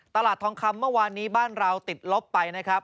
ทองคำเมื่อวานนี้บ้านเราติดลบไปนะครับ